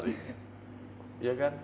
terus ikan juga